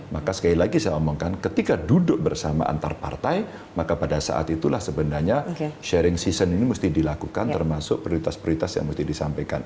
maka sekali lagi saya omongkan ketika duduk bersama antar partai maka pada saat itulah sebenarnya sharing season ini mesti dilakukan termasuk prioritas prioritas yang mesti disampaikan